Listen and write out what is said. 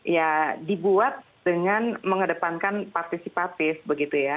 ya dibuat dengan mengedepankan partisipatif begitu ya